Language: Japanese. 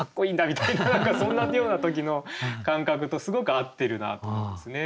みたいな何かそんなような時の感覚とすごく合ってるなと思いますね。